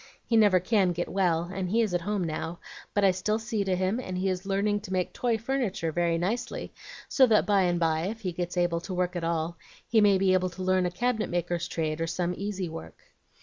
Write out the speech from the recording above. He never can get well, and he is at home now; but I still see to him, and he is learning to make toy furniture very nicely, so that by and by, if he gets able to work at all, he may be able to learn a cabinet maker's trade, or some easy work.